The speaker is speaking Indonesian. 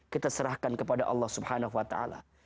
kita serahkan kepada allah subhanahu wa ta'ala